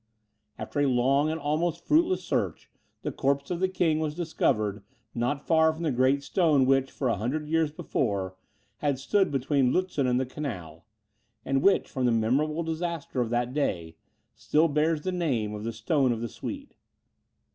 After a long and almost fruitless search, the corpse of the king was discovered, not far from the great stone, which, for a hundred years before, had stood between Lutzen and the Canal, and which, from the memorable disaster of that day, still bears the name of the Stone of the Swede.